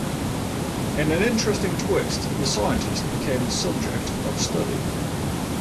In an interesting twist, the scientist became the subject of study.